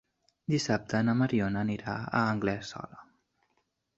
Dissabte na Mariona anirà a Anglesola.